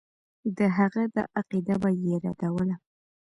د هغه دا عقیده به یې ردوله.